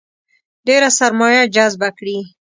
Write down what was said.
ډېره سرمایه جذبه کړي.